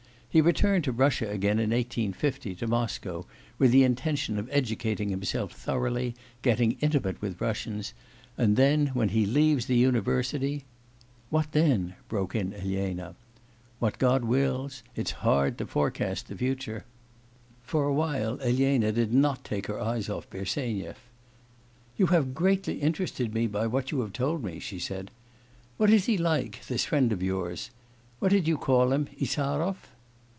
He returned to Russia again in 1850, to Moscow, with the intention of educating himself thoroughly, getting intimate with Russians, and then when he leaves the university ' 'What then?' broke in Elena. 'What God wills. It's hard to forecast the future.' For a while Elena did not take her eyes off Bersenyev. 'You have greatly interested me by what you have told me,' she said. 'What is he like, this friend of yours; what did you call him, Insarov?